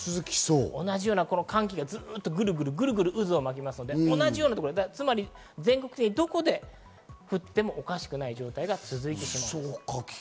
寒気がグルグル渦を巻きますので、同じようなところ、つまり全国的にどこで降ってもおかしくない状態が続いてしまう。